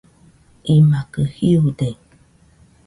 imakɨ jiude